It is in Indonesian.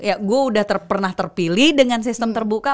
ya gue udah pernah terpilih dengan sistem terbuka